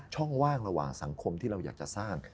ช่องว่างระหว่างสังคมที่เราอยากจะสร้าง